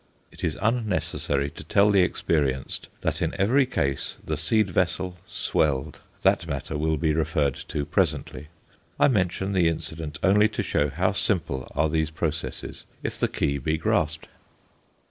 It is unnecessary to tell the experienced that in every case the seed vessel swelled; that matter will be referred to presently. I mention the incident only to show how simple are these processes if the key be grasped.